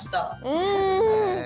うん。